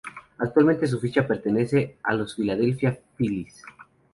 Actualmente su ficha pertenece a los Philadelphia Phillies.